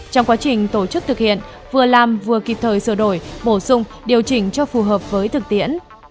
trong quá trình tổ chức thực hiện vừa làm vừa kịp thời sửa đổi bổ sung điều chỉnh cho phù hợp với thực tiễn